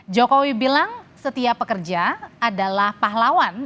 jokowi bilang setiap pekerja adalah pahlawan